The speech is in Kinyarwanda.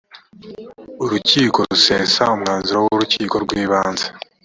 urukiko rusesa umwanzuro w ‘urukiko rw’ibanze .